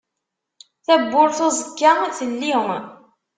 Tabburt uẓekka telli.